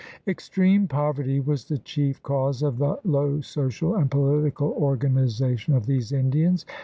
Extreme poverty was the chief cause of the low social and political organization of these Indians.